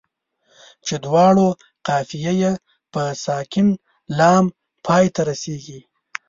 چې دواړو قافیه یې په ساکن لام پای ته رسيږي.